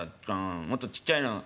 もっとちっちゃいの。